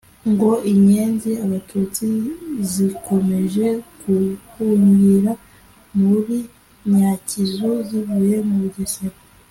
ngo inyenzi (Abatutsi) zikomeje guhungira muri Nyakizu zivuye mu Bugesera